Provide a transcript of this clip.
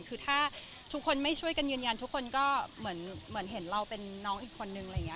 คือถ้าทุกคนไม่ช่วยกันยืนยันทุกคนเหมือนเห็นเราเป็นน้องอีกคนนึง